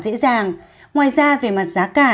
dễ dàng ngoài ra về mặt giá cả